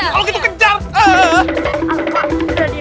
kalau gitu kejar